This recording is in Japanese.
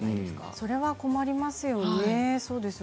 それは困りますよね。